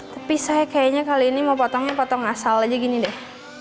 tapi saya kayaknya kali ini mau potongnya potong asal aja gini deh